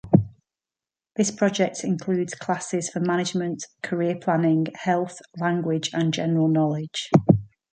This project includes classes for management, career planning, health, language, and general knowledge.